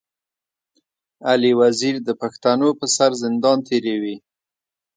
علي وزير د پښتنو پر سر زندان تېروي.